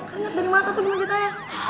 keringet dari mata tuh di wajah kaya